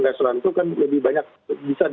restoran itu kan lebih banyak bisa